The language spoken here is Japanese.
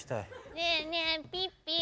ねえねえピッピ。